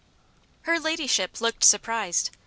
Her ladyship looked surprised.